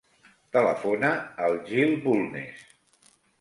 Telefona al Gil Bulnes.